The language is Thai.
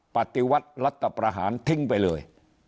ปฏิวัติรัฐประหารทิ้งไปเลย